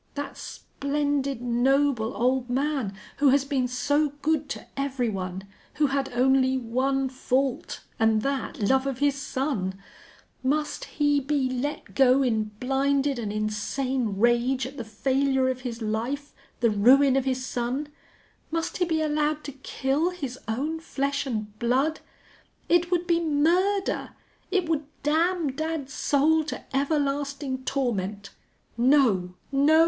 That splendid, noble old man, who has been so good to every one who had only one fault, and that love of his son must he be let go in blinded and insane rage at the failure of his life, the ruin of his son must he be allowed to kill his own flesh and blood?... It would be murder! It would damn dad's soul to everlasting torment. No! No!